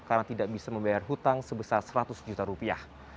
karena tidak bisa membayar hutang sebesar seratus juta rupiah